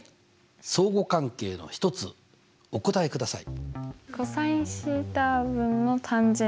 相互関係の一つお答えください。